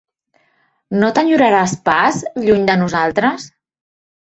No t'enyoraràs pas, lluny de nosaltres?